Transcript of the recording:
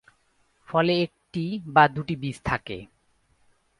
ফলে একটি বা দুটি বীজ থাকে।